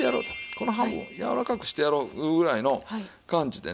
このハムをやわらかくしてやろういうぐらいの感じでね